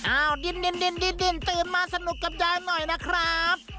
ดินตื่นมาสนุกกับยายหน่อยนะครับ